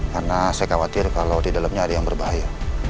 karena saya khawatir kalau di dalamnya ada yang berbahaya